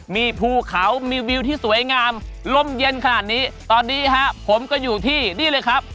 มีภูเขามีวิวที่สวยงามลมเย็นขนาดนี้ตอนนี้ฮะผมก็อยู่ที่นี่เลยครับ